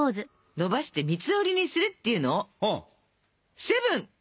「のばして３つ折りにする」っていうのを「セブン！」